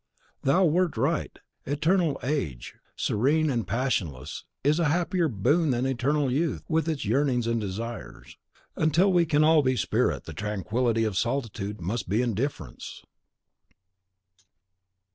Thou wert right; eternal age, serene and passionless, is a happier boon than eternal youth, with its yearnings and desires. Until we can be all spirit, the tranquillity of solitude must be indifference.